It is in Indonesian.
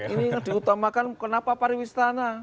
ini diutamakan kenapa pariwistana